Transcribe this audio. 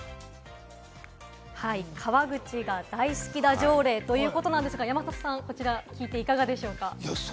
「川口が大好きだ条例」ということなんですが、山里さん、こちら聞いていかがですか？